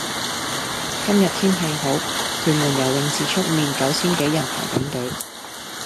今日天氣好，屯門游泳池出面九千幾人排緊隊。